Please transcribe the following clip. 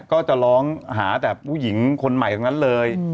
ก็จะร้องหาแต่ผู้หญิงคนใหม่ตรงนั้นเลย